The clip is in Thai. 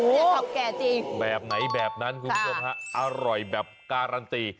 โอ้โฮแบบไหนแบบนั้นคุณผู้ชมฮะอร่อยแบบการันตี